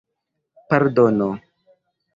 pardono